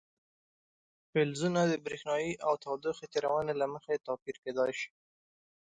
فلزونه د برېښنايي او تودوخې تیرونې له مخې توپیر کیدای شي.